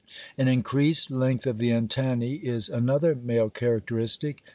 An increased length of the antennæ is another male characteristic.